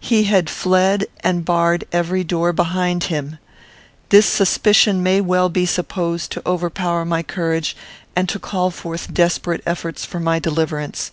He had fled and barred every door behind him. This suspicion may well be supposed to overpower my courage, and to call forth desperate efforts for my deliverance.